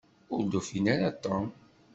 Ur d-ufin ara Tom.